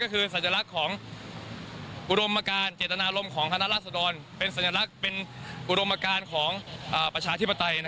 ก็คือสัญลักษณ์ของอุดมการเจตนารมณ์ของคณะราษดรเป็นสัญลักษณ์เป็นอุดมการของประชาธิปไตย